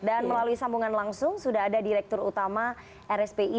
dan melalui sambungan langsung sudah ada direktur utama rspi